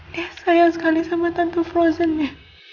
dia sayang sekali sama tante frozen ya